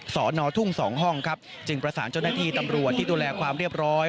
สอนอทุ่ง๒ห้องครับจึงประสานเจ้าหน้าที่ตำรวจที่ดูแลความเรียบร้อย